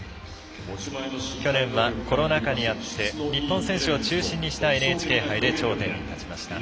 去年はコロナ禍にあって日本選手を中心にしたＮＨＫ杯で頂点に立ちました。